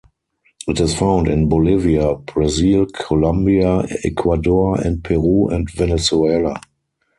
It is found in Bolivia, Brazil, Colombia, Ecuador and Peru and Venezuela.